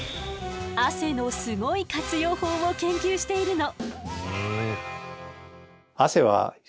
汗のすごい活用法を研究しているの。